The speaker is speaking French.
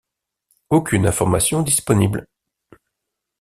Aucune information disponible.